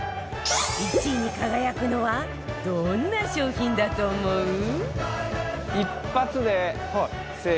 １位に輝くのはどんな商品だと思う？